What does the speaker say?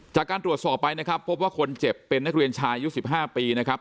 จากการตรวจสอบไปนะครับพบว่าคนเจ็บเป็นนักเรียนชายอายุ๑๕ปีนะครับ